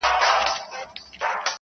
سمدلاه یې و سپي ته قبر جوړ کی,